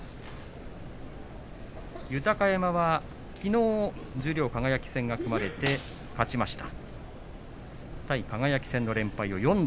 豊山はきのう十両、輝戦が組まれて勝ちました。